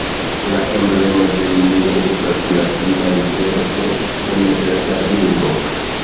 La emblemo de linio estas latina litero "C" en verda ringo.